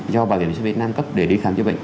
do bảo hiểm y tế việt nam cấp để đi khám chữa bệnh